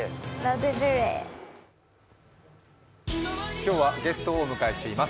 今日はゲストをお迎えしています。